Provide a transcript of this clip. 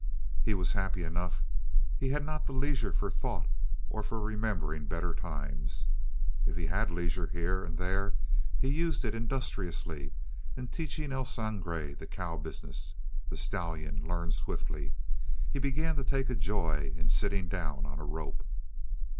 He was happy enough. He had not the leisure for thought or for remembering better times. If he had leisure here and there, he used it industriously in teaching El Sangre the "cow" business. The stallion learned swiftly. He began to take a joy in sitting down on a rope.